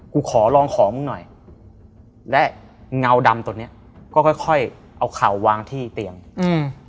ขอลองของมึงหน่อยและเงาดำตัวเนี้ยก็ค่อยค่อยเอาเข่าวางที่เตียงอืม